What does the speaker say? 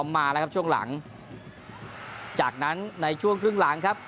มาแล้วครับช่วงหลังจากนั้นในช่วงครึ่งหลังครับ